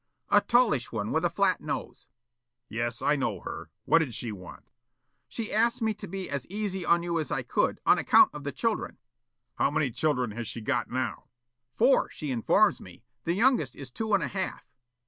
"A tallish one with a flat nose." "Yes, I know her. What'd she want?" "She asked me to be as easy on you as I could, on account of the children." "How many children has she got now?" "Four, she informs me. The youngest is two and a half."